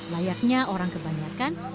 layaknya orang kebanyakan